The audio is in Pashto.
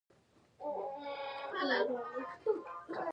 ځوانان پنځه شیان خرابوي.